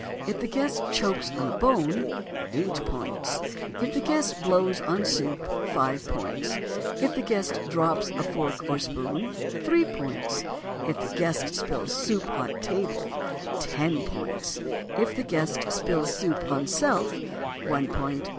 If the guest chokes on bone, 8 points. If the guest blows on soup, 5 points. If the guest drops fork or spoon, 3 points. If the guest spills soup on table, 10 points. If the guest spills soup on self, 1 point.